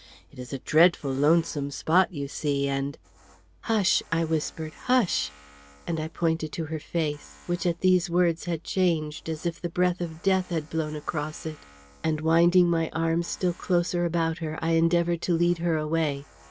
It is a dreadful lonesome spot, you see, and " "Hush!" I whispered; "hush!" and I pointed to her face, which at these words had changed as if the breath of death had blown across it; and winding my arms still closer about her, I endeavored to lead her away.